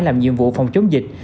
làm nhiệm vụ phòng chống dịch